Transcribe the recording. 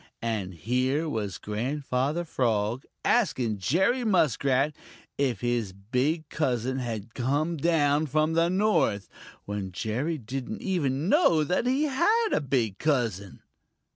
And here was Grandfather Frog asking Jerry Muskrat if his big cousin had come down from the North, when Jerry didn't even know that he had a big cousin.